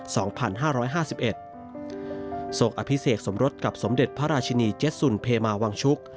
โสกอภิเศกสมรสกับสมเด็จพระราชินีเจสุนเพมาวังชุก